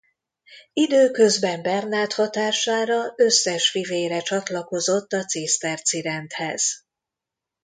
Időközben Bernát hatására összes fivére csatlakozott a ciszterci rendhez.